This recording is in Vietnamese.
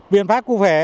viên pháp của phế